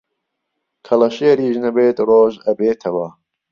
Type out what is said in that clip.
کەڵەشێریش نەبێت ڕۆژ ئەبێتەوە